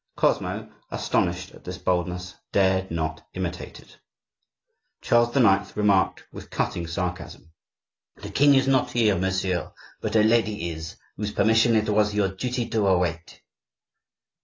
Cosmo, astonished at this boldness, dared not imitate it. Charles IX. remarked, with cutting sarcasm: "The king is not here, monsieur, but a lady is, whose permission it was your duty to await."